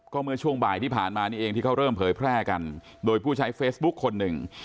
ก็เมื่อช่วงบ่ายที่ผ่านมานี่เองที่เขาเริ่มเผยแพร่กันโดยผู้ใช้เฟซบุ๊คคนหนึ่ง